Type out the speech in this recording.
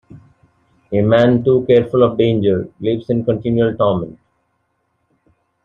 A man too careful of danger lives in continual torment.